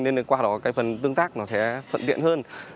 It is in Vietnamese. nên qua đó cái phần tương tác nó sẽ thuận tiện hơn